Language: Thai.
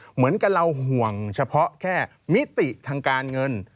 เหมือนกับเราห่วงเฉพาะแค่มิติทางการเงิน